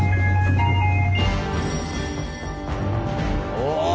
お！